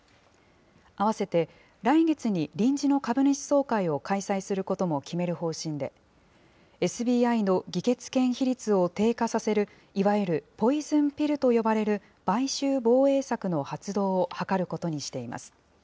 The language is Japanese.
併せて来月に臨時の株主総会を開催することも決める方針で、ＳＢＩの議決権比率を低下させるいわゆるポイズンピルと呼ばれる買収防衛策の発動を諮ることにしています。